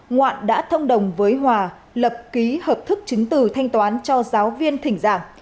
ngoạn đã thông đồng với hòa lập ký hợp thức chứng từ thanh toán cho giáo viên thỉnh giảng